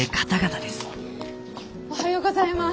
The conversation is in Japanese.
おはようございます。